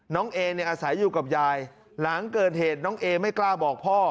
เอเนี่ยอาศัยอยู่กับยายหลังเกิดเหตุน้องเอไม่กล้าบอกพ่อ